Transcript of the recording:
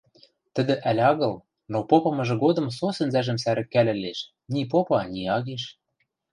Тӹдӹ ӓль агыл, но попымыжы годым со сӹнзӓжӹм сӓрӹкӓлӹлеш, ни попа, ни агеш.